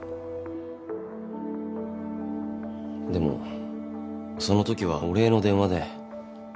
でもその時はお礼の電話で。